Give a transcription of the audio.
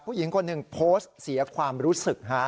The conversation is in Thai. ผู้หญิงคนหนึ่งโพสต์เสียความรู้สึกฮะ